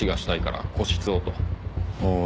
ああ